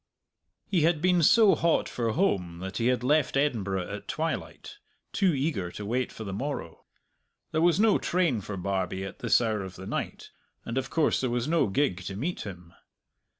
He had been so hot for home that he had left Edinburgh at twilight, too eager to wait for the morrow. There was no train for Barbie at this hour of the night; and, of course, there was no gig to meet him.